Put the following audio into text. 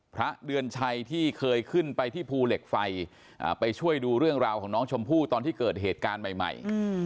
พระเดือนชัยที่เคยขึ้นไปที่ภูเหล็กไฟไปช่วยดูเรื่องราวของน้องชมพู่ตอนที่เกิดเหตุการณ์ใหม่